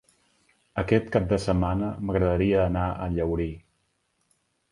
Aquest cap de setmana m'agradaria anar a Llaurí.